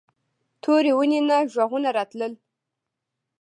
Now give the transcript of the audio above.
تورې ونې نه غږونه راتلل.